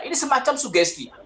ini semacam sugesti